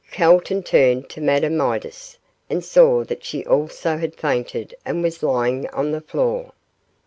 Calton turned to Madame Midas and saw that she also had fainted and was lying on the floor.